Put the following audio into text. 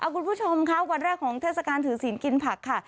คุณผู้ชมค่ะวันแรกของเทศกาลถือศีลกินผักค่ะ